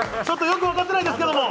ちょっとよく分かってないですけど！